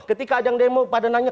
ketika ada yang demo pada nanya